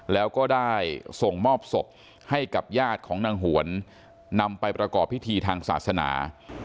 แล้วก็ได้ส่งมอบศพให้กับญาติของนางหวนนำไปประกอบพิธีทางศาสนา